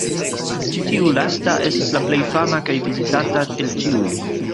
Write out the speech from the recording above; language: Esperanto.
Ĉi tiu lasta estas la plej fama kaj vizitata el ĉiuj.